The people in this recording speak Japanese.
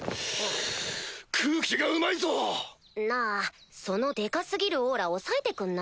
空気がうまいぞ！なぁそのデカ過ぎるオーラ抑えてくんない？